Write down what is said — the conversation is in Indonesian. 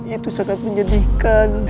itu sangat menyedihkan